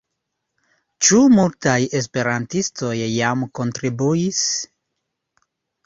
Ĉu multaj esperantistoj jam kontribuis?